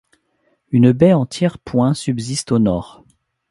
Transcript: Une baie en tiers-point subsiste au nord.